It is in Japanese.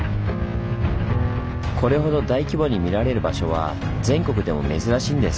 これほど大規模に見られる場所は全国でも珍しいんです。